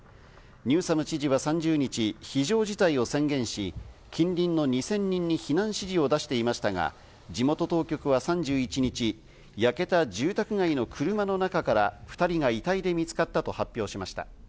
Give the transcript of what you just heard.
ニューサム知事は３０日、非常事態を宣言し、近隣の２０００人に避難指示を出していましたが、地元当局は３１日、焼けた住宅街の車の中から２人が遺体で見つかったと発表しました。